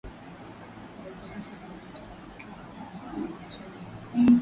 viazi lishe Vina vitamini K muhimu kugandisha damu